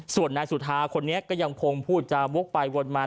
ส่วนนายสุธาคนนี้ก็ยังคงพูดจาวกไปวนมา